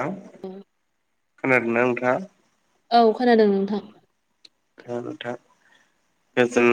थां उम खोनादोंना नोंथां? औ खोनादों नों औ नोंथां जों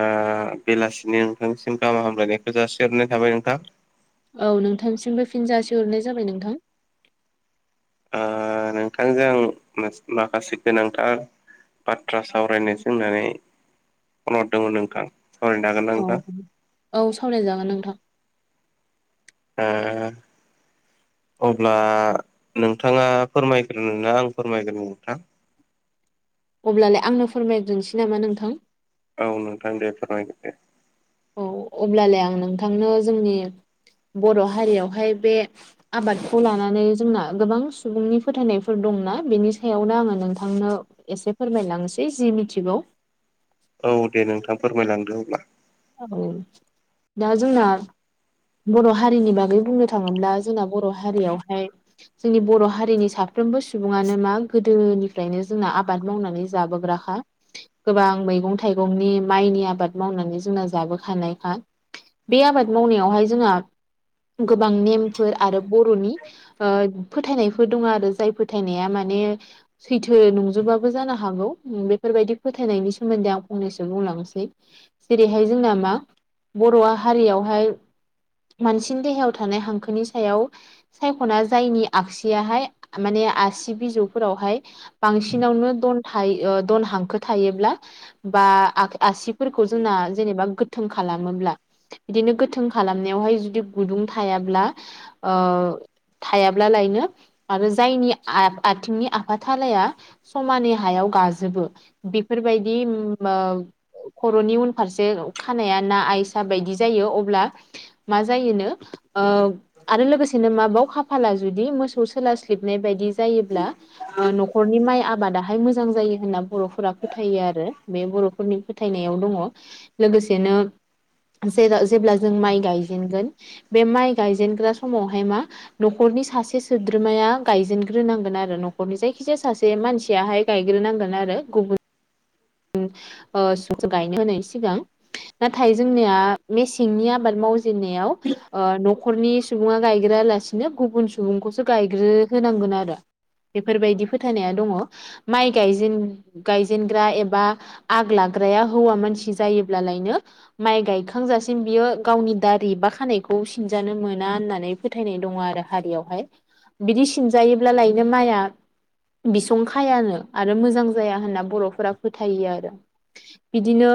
ओ बेलासिनि नोंथांनिसिम गाहामा हामलायनायखौ जासिहरनाय थाबाय नोंथां औ नोंथांसिमबो फिनजासे हरनाय जाबाय नोंथां आ नोंथांजों माखासे गोनांथार बाथ्रा सावरायनोसो होननानै फन हरदोंमोन नोंथां सावरायनो हागोन ना औ नोंथां औ सावरायजागोन नोंथां आ अब्ला नोंथाङा फोरमायग्रोना आं फोरमायग्रोनो नोंथां अब्लालाय आंनो फोरमायग्रोनोसै नामा नोंथां औ नोंथां दे फोरमायगोरदे औ अब्लालाय आं नोंथांनो जोंनि बर' हारियावहाय बे आबादखौ लानानै जोंना गोबां सुबुंनि फोथायनायफोर दंना बेनि सायावनो आङो नोंथांनो एसे फोरमायलांनोसै जि मिथिगौ औ दे नोंथां फोरमायलांदो अब्ला औ दा जोंना बर' हारिनि बागै बुंनो थाङोब्ला जोंना बर' हारियावहाय जोंनि बर' हारिनि साफ्रोमबो सुबुङानो मा गोदोनिफ्रायनो जोंना आबाद मावनानै जाबोग्रा खा गोबां मैगं थाइगंनि माइनि आबाद मावनानै जोंना जाबोखानायखा बे आबाद मावनायावहाय जोंहा गोबां नेमफोर आरो बर'नि ओ फोथायनायफोर दङ आरो जाय फोथायनाया माने सैथो नंजोबाबो जानो हागौ बेफोरबायदि फोथायनायनि सोमोन्दै आं फंनैसो बुंलांसै जेरैहाय जोंना मा बर'वा हारियावहाय मानसिनि देहायाव थानाय हांखोनि सायाव सायख'ना जायनि आगसियाहाय माने आसि बिजौफोरावहाय बांसिनावनो दन थायो दन हांखो थायोब्ला बा आसिफोरखौ जोंना जेनेबा गोथों खालामोब्ला बिदिनो गोथों खाला मनायावहाय जुदि गुदुं थायाब्ला थायाब्ला लायनो आरो जायनि आथिंनि आफाथालाया समानि हायाव गाजोबो बेफोरबायदि ओ खर'नि उनफारसे खानाया ना आइसा बायदि जायो अब्ला मा जायोनो आरो लोगोसेनो माबायाव खाफाला जुदि मोसौ सोलास्लिबनाय बायदि जायोब्ला ओ न'खरनि माइ आबादाहाय मोजां जायो होनना बर'फोरा फोथायो आरो बे बर' फोरनि फोथायनायाव दङ लोगोसेनो जेब्ला जों माइ गायजेनगोन बे माइ गायजेनग्रा समावहाय मा न'खरनि सासे सोद्रोमाया गायजेनग्रोनांगोन आरो न'खरनि जायखिजाया सासे मानसियाहाय गायग्रोनांगोन आरो गुबुन ओ [unintelligible] गायनो होनाय सिगां नाथाय जोंनिया मेसेंनि आबाद मावजेननायाव ओ न'खरनि सुबुङा गायग्रायालासिनो गुबुन सुबुंखौसो गायग्रो होनांगोन आरो बेफोरबायदि फोथायनाया दङ माइ गाय गायजेनग्रा ए बा आग लाग्राया हौवा मानसि जायोब्लालायनो माइ गायखांजासिम बियो गावनि दारि बा खानायखौ सिनजानो मोना होननानै फोथायनाय दङ आरो हारियावहाय बिदि सिनजायोब्ला लायनो माइआ बिसंखायानो आरो मोजां जाया होनना बर'फोरा फोथायो आरो बिदिनो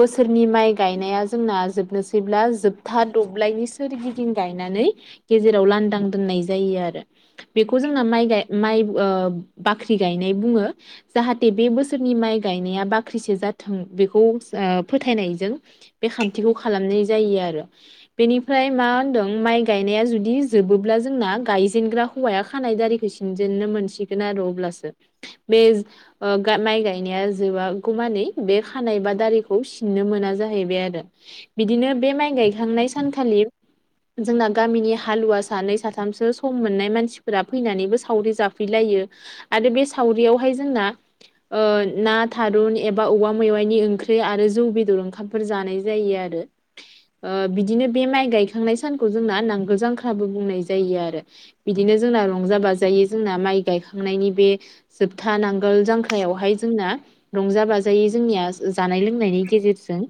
बोसोरनि माइ गायनाया जोंना जोबनोसैब्ला जोबथा दब्लायनिसि सोरगिदिं गायनानै गेजेराव लांदां दोननाय जायो आरो बेखौ जोंना माइ माइ ओ बाख्रि गायनाय बुङो जाहाथे बे बो सोरनि माइ गायनाया बाख्रिसे जाथों बेखौ फोथायनायजों बे खान्थिखौ खालामनाय जायो आरो बेनिफ्राय मा होनदों माइ गायनाया जुदि जोबोब्ला जोंना गायजेनग्रा हौवाया खानाय दारिखौ सिनजेननो मोनसिगोन आरो अब्लासो बे ओ [unintelligible] गायनाया जोबागौमानै बे खानाय बा दारिखौ सिननो मोना जाहैबाय आरो बिदिनो बे माइ गायखांनाय सानखालि जोंना गामिनि हालुवा सानै साथामसो सम मोननाय मानसिफोरा फैनानैबो सावरि जाफैलायो आरो बे सावरियावहाय जोंना ना थारुन एबा औवा मेवाइनि ओंख्रि आरो जौ बेदर ओंखामफोर जानाय जायो आरो बिदिनो बे माइ गायखांनाय सानखौ जोंना नांगोल जांख्राबो बुंनाय जायो आरो बिदिनो जोंना रंजा बाजायै जोंना माइ गायखांनायनि बे जोबथा नांगोल जांख्रा जांख्रायावहाय जोंना रंजा बाजायै जोंनिया जानाय लोंनायनि गेजेरजों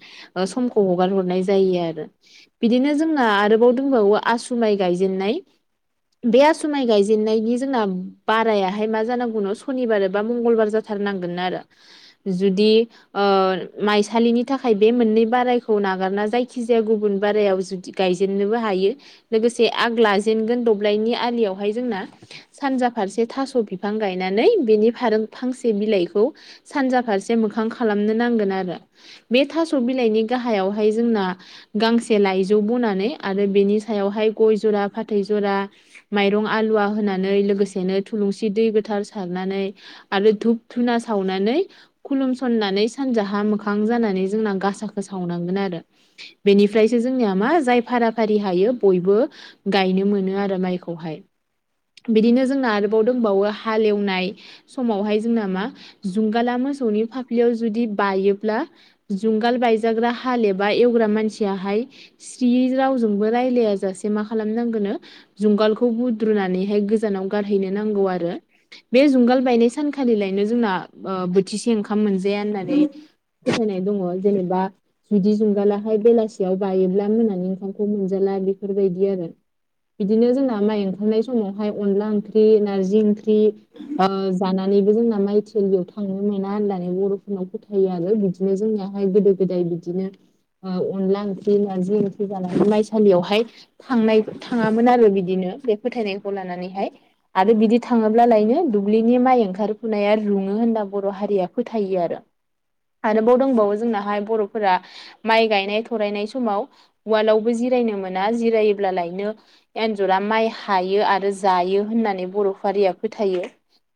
ओ समखौ हगार हरनाय जायो आरो बिदिनो जोंना आरोबाव दंबावो आसु माइ गायजेननाय बे आसु माइ गायजेननायनि जोंना बारायाहाय मा जानांगौनो सनिबार एबा मंगलबार जाथारनांगोन आरो जुदि ओ माइसालिनि थाखाय बे मोननै बारायखौ नागारना जायखिजाया गुबुन बारायाव जुदि गायजेननोबो हायो लोगोसे आग लाजेनगोन दब्लायनि आलियावहाय जोंना सानजा फारसे थास' बिफां गायनानै बेनि फारै फांसे बिलाइखौ सानजा फारसे मोखां खालामनो नांगोन आरो बे थास' बिलाइनि गाहायावहाय जोंना गांसे लाइजौ बनानै आरो बेनि सायावहाय गय जरा फाथै जरा माइरं आलुवा होनानै लोगोसेनो थुलुंसि दै गोथार सारनानै आरो धुप धुना सावनानै खुलुमसननानै सानजाहा मोखां जानानै जोंना गासाखौ सावनांगोन आरो बेनिफ्रायसो जोंनिया मा जाय फारा फारि हायो बयबो गायनो मोनो आरो माइखौहाय बिदिनो जोंना आरोबाव दंबावो हालेवनाय समावहाय जोंना मा जुंगाला मोसौनि फाफ्लियाव जुदि बायोब्ला जुंगाल बायजाग्रा हाल एबा एवग्रा मानसियाहाय स्रियै रावजोंबो रायलायाजासे मा खालामनांगौनो जुंगालखौ बुद्रुनानैहाय गोजानाव गारहैनो नांगौ आरो बे जुंगाल बायनाय सान खालिलायनो जोंना बोथिसे ओंखाम मोनजाया होननानै फोथायनाय दङ जेनेबा जुदि जुंगालाहाय बेलासियाव बायोब्ला मोनानि ओखामखौ मोनजाला बेफोरबायदि आरो बिदिनो जोंना माइ ओंखारनाय समावहाय अनला ओंख्रि नारजि ओंख्रि ओ जानो जोंना माइथिलियाव थांनो मोना होननानै बर'फोरनाव फोथायो आरो बिदिनो जोंनिहाय गोदो गोदाय बि बिदिनो अनला ओंख्रि नारजि ओंख्रि जानानै माइसालियावहाय थांनाय थाङामोन आरो बिदिनो बे फोथायनायखौ लानानैहाय आरो बिदि थाङोब्ला लायनो दुब्लिनि माइ ओंखार बारफुनाया रुङो होनना बर' हारिया फोथायो आरो आरोबाव दंबावो जोंनाहाय बर'फोरा माइ गायनाय थरायनाय समाव उवालावबो जिरायनो मोना जिरायोब्ला लायनो एन्जरा माइ हायो आरो जायो होननानै बर' हारिया फोथायो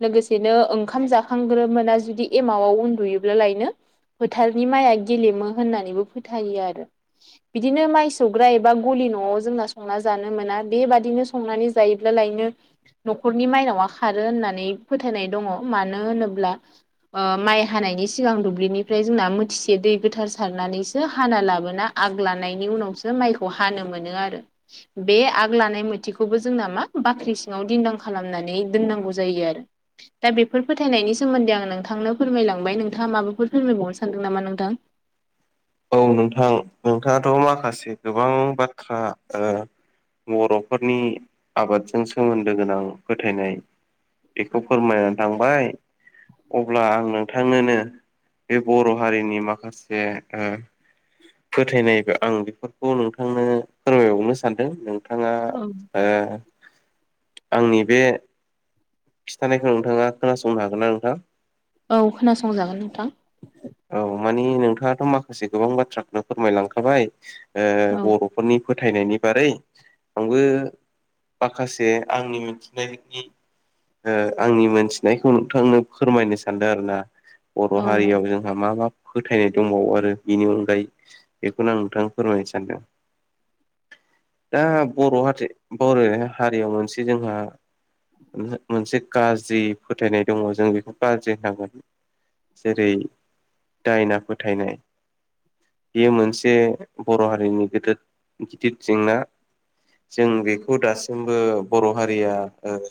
लोगोसे बिदिनो ओंखाम जाखांग्रोमोना जुदि एमआव उन्दुयोब्ला लायनो फोथारनि माइया गेलेमो होननानैबो फोथायो आरो बिदिनो माइ सौग्रा एबा गलि न'आव जोंना संना जानो मोना बेबादिनो सं नानै जायोब्ला लायनो न'खरनि माइनावा खारो होननानै फोथायनाय दङ मानो होनोब्ला माइ हानायनि सिगां दुब्लिनिफ्राय जोंना मोथिसे दै गोथार सारनानैसो हाना लाबोना आग लानायनि उनावसो माइखौ हानो मोनो आरो बे आग लानाय मोथिखौबो जोंना मा बाख्रि सिङाव दिन्दां खालामनानै दोननांगौ जायो आरो दा बेफोर फोथायनायनि सोमोन्दै आं नोंथांनो फोरमायलांबाय नोंथाङा माबाफोर फोरमायबावनो सानदों नामा नोंथां औ नोंथां नोंथाङाथ' माखासे गोबां बाथ्रा बर'फोरनि आबादजों सोमोन्दो गोनां फोथायनाय बेखौ फोरमायनानै थांबाय अब्ला आं नोंथांनोनो बे बर' हारिनि माखासे फोथायनाय आं बेफोरखौ नोंथांनो फोरमायबावनो सानदों नों नोंथाङा औ आंनि बे खिथानायखौ नोंथाङा खोनासंनो हागोन ना नोंथां औ खोनासंजागोन नोंथां औ मानि नोंथाङाथ' माखासे गोबां बाथ्राखौनो फोरमायलांखाबाय औ बर' फोरनि फोथायनायनि बारै आंबो माखासे आंनि मिथिनायनि आंनि मोनथिनायखौ नोंथांनो फोरमायनो सानदों आरो ना औ बर' नों हारियाव जों जोंहा मा मा फोथायनाय दंबावो आरो बेनि अनगायै बेखौनो आं नोंथां फोरमायनो सानदों दा बर' हाथि बर' हारियाव मोनसे जोंहा मोनसे गाज्रि फोथायनाय दङ जों बेखौ गाज्रि होनांगोन जेरै दायना फोथायनाय बेयो मोनसे बर' हारिनि गोद गिदिर जेंना जों बेखौ दासिमबो बर' हारिया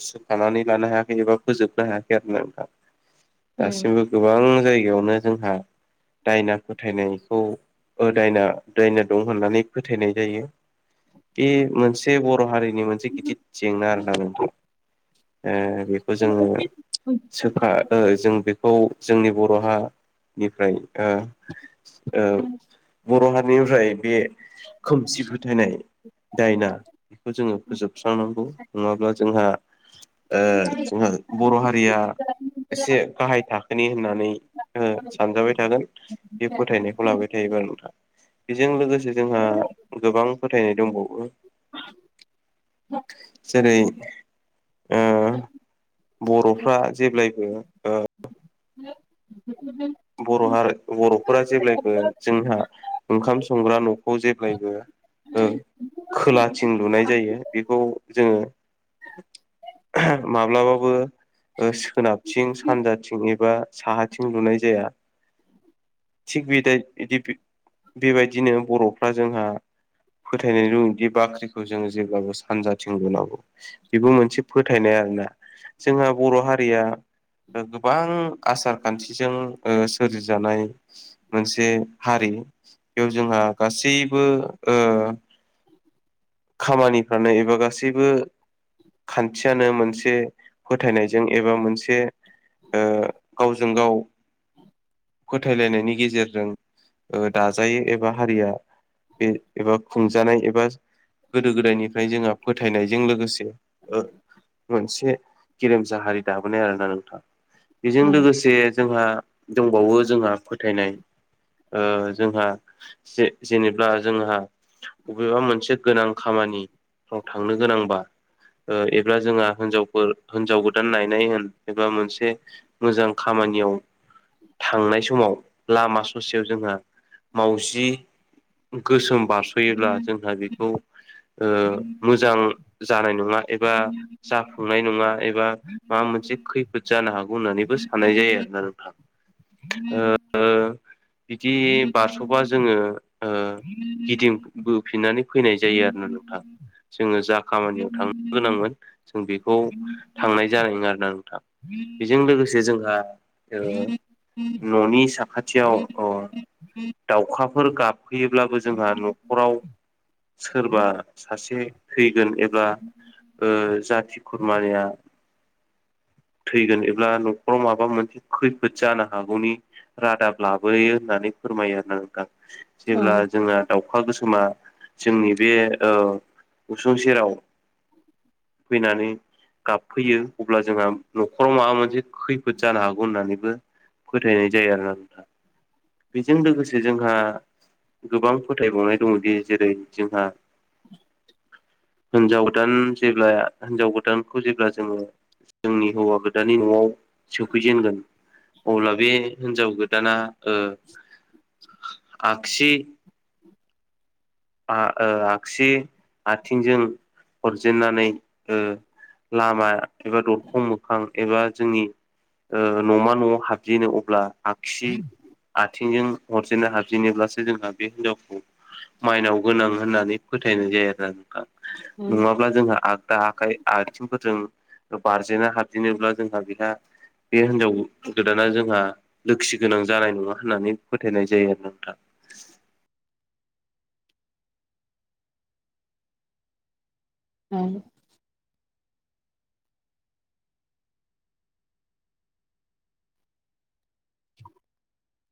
सोखानानै लानो हायाखै एबा फोजोबनो हायाखै आरोना नोंथां [inaudible] दासिमबो गोबां जायगायावनो जोंहा दायना फोथायनायखौ दायना दायना दं होननानै फोथायनाय जायो बे मोनसे बर' हारिनि मोनसे गिदिर जेंना आरोना नोंथां बेखौ जोङो उम सोखा जों बेखौ जोंनि बर'हा निफ्राय ओ बर' हारिनिनिफ्राय बे खोमसि फोथायनाय दायना बेखौ जोङो फोजोबस्रांनांगौ नङाब्ला जोंहा जोहा बर' हारिया एसे गाहाय थाखोनि होननानै सानजाबाय थागोन बे फोथायनायखौ लाबाय थायोबा नोंथाङा बेजों लोगोसे जोंहा गोबां फोथायनाय दंबावो [unintelligible] जेरै बर'फ्रा जेब्लायबो बर' हारि बर'फोरा जेब्लायबो जोंहा ओंखाम संग्रा न'खौ जेब्लायबो ओ खोलाथिं लुनाय जायो बेखौ जोङो माब्लाबाबो सोनाबथिं सानजाथिं एबा साहाथिं लुनाय जाया थिग बेदाय दि बेबायदिनो बर'फ्रा जोंहा फोथायनानै दुङोदि बाख्रिखौ जोङो जेब्लाबो सानजाथिं होनोनांगौ बेबो मोनसे फोथायनाय आरोना जोंहा बर' हारिया गोबां आसार खान्थिजों सोरजिजानाय मोनसे हारि बेयाव जोंहा गासैबो ओ खामानिफ्रानो एबा गासैबो खान्थियानो मोनसे फोथायनायजों एबा मोनसे ओ गावजों गाव फोथायलायनायनि गेजेरजों दाजायो एबा हारिया बे एबा खुंजानाय एबा गोदो गोदायनिफ्राय जोंहा फोथायनायजों लोगोसे ओ मोनसे गेरेमसा हारि दाबोनाय आरोना नोंथां बेजों लोगोसे जोंहा दंबावो जोंहा फोथायनाय ओ जोंहा जेनेबा जोंहा अबेबा मोनसे गोनां खामानिफ्राव थांनो गोनांबा एबा जोंहा हिनजावफोर हिनजाव गोदान नायनाय होन एबा मोनसे मोजां खामानियाव थांनाय समाव लामा ससेयाव जोंहा माउजि गोसोम बारस'योब्ला जोंहा बेखौ मोजां जानाय नङा एबा जाफुंनाय नङा एबा माबा मोनसे खैफोद जानो हागौ होननानैबो साननाय जायो आरोना नोंथाङा ओ बिदि बारस'बा जोङो ओ गिदिंबोफिननानै फैनाय जायो आरो ना नोंथां जोङो जा खामानियाव थांनो गोनांमोन जों बेखौ थांनाय जानाय नोङा आरोना नोंथां बेजों लोगोसे जोंहा ओ न'नि साखाथियाव दाउखाफोर गाबहैयोब्लाबो जोंहा न'खराव सोरबा सासे थैगोन एबा ओ जाथि खुरमानिया थैगोन एब्ला न'खराव माबा मोनसे खैफोद जानो हागौनि रादाब लाबोयो होननानै फोरमायो आरो ना नोंथां औ जेब्ला जोंना दाउखा गोसोमा जोंनि बे उसुं सेराव फैनानै गाबफैयो अब्ला जोंहा न'खराव माबा मोनसे खैफोद जानो हागौ होननानैबो फोथायनाय जायो आरो ना नोंथां बेजों लोगोसे जोंहा गोबां फोथायबावनाय दंङोदि जेरै जोंहा हिनजाव गोदान जेब्ला हिन्जाव गोदानखौ जेब्ला जोंङो जोंनि हौवा गोदानानि न'आव सोफैजेनगोन अब्ला बे हिनजाव गोदाना आगसि ओ आगसि आथिंजों हरजेननानै लामा एबा दरखं मोखां एबा जोंनि न'मा न'आव हाबजेनो अब्ला आगसि आथिंजों हरजेनो हाबजेनोब्लासो जोंहा बे हिनजावखौ माइनाव गोनां होननानै फोथायनाय जायो आरोा नों औ नंङाब्ला जोंहा आगदा आखाय आथिंफोरजों बारजेना हाबदिेनोब्ला जोंहा बेहा बे हिनजाव गोदाना जोंहा लोखि गोनां जानाय नंङा होननानै फोथायनाय जायो आरो नोंथांङा औ [inaudible]